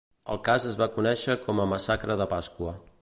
El cas es va conèixer com la massacre de Pasqua.